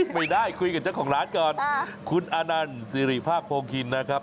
ไม่ได้คุยกับเจ้าของร้านก่อนคุณอนันต์สิริภาคโพคินนะครับ